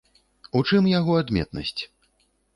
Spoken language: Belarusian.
У чым яго адметнасць?